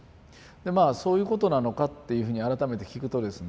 まあそういうことなのか？っていうふうに改めて聞くとですね